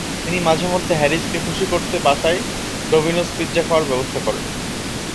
তিনি মাঝেমধ্যে হ্যারিসকে খুশি করতে বাসায় ডমিনস পিজা খাওয়ার ব্যবস্থা করেন।